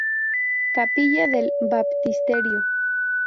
Capilla del Baptisterio.